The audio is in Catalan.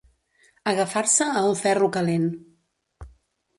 Agafar-se a un ferro calent.